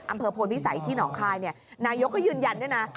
อำเภอโพนพิสัยที่หนองคายนายกก็ยืนยันด้วยนะ